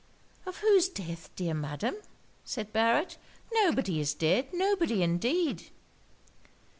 'Of whose death, dear Madam?' said Barret. 'Nobody is dead; nobody indeed.'